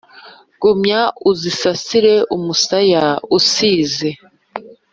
Gumya uzisasire umusaya usize